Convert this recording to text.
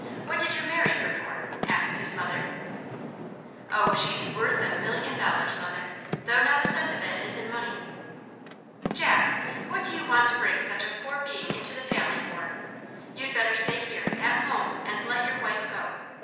What did you marry her for," asked his mother. "Oh, she's WORTH A MILLION dollars, mother, though not a cent of it is in money." "Jack! what do you want to bring such a poor being into the family, for? You'd better stay here, at home, and let your wife go.